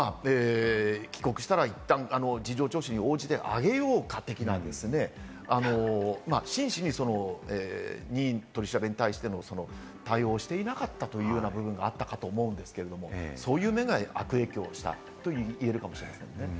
帰国したら、いったん事情聴取に応じてあげようかとか、真摯に任意の取り調べに対して対応していなかったというような部分があったかと思うんですけれど、そういう面が悪影響したと言えるかもしれませんね。